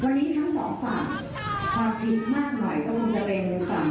ก็ได้ไปแจ้งความเป็นวิบัติการเรียบไฟ